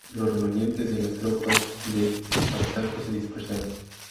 Los remanentes de las tropas de Espartaco se dispersaron.